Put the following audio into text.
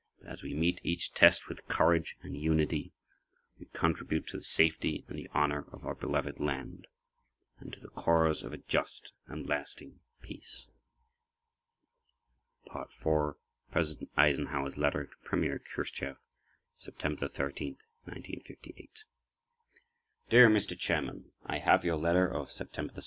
But as we meet each test with courage and unity, we contribute to the safety and the honor of our beloved land—and to the cause of a just and lasting peace.[pg 21] 4. President Eisenhower's Letter to Premier Khrushchev, September 13, 1958 Return to Table of Contents Dear Mr. Chairman: I have your letter of September 7.